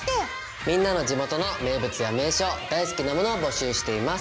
みんなの地元の名物や名所大好きなものを募集しています。